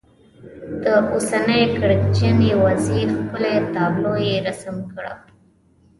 د اوسنۍ کړکېچنې وضعې ښکلې تابلو یې رسم کړه.